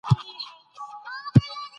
د ناول مرکزي کرکټر يو ډاکو و.